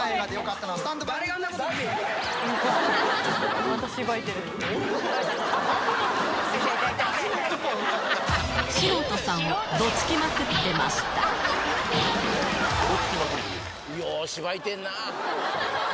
ようしばいてんな。